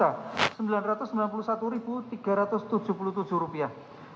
anak korban lima